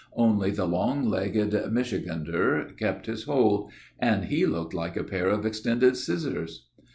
Only the long legged Michigander kept his hold, and he looked like a pair of extended scissors.